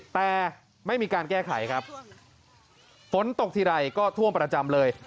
แต่ไม่มีการแก้ไขครับฝนตกทีไรก็ท่วมประจำเลย